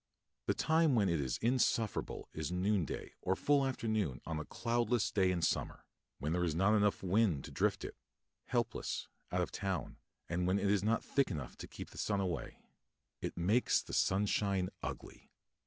The time when it is insufferable is noonday or full afternoon on a cloudless day in summer, when there is not wind enough to drift it, helpless, out of town, and when it is not thick enough to keep the sun away. It makes the sunshine ugly.